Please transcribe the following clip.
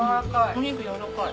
お肉やわらかい。